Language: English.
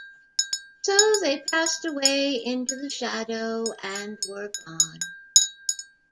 So they passed away into the shadow and were gone.